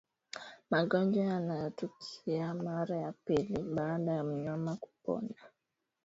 magonjwa yanayotukia mara ya pili baada ya mnyama kupona